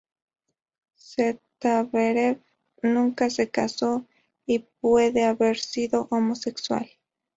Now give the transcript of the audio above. Zverev nunca se casó, y puede haber sido homosexual.